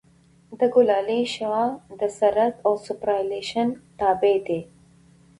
د ګولایي شعاع د سرعت او سوپرایلیویشن تابع ده